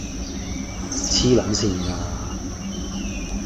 痴撚線架！